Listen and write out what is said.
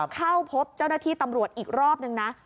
เข้าพบเจ้าหน้าที่ตำรวจอีกรอบนึงนะ